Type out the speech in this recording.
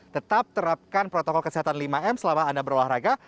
tetap terapkan protokol kesehatan lima m selama anda berolahraga